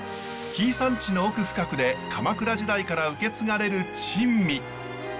紀伊山地の奥深くで鎌倉時代から受け継がれる珍味。